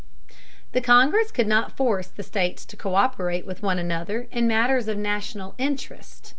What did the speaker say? The Congress could not force the states to co÷perate with one another in matters of national interest.